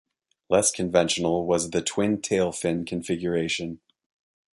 Less conventional was the twin-tailfin configuration.